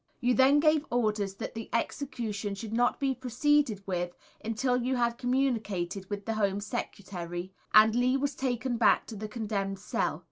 You then gave orders that the execution should not be proceeded with until you had communicated with the Home Secretary, and Lee was taken back to the Condemned Cell.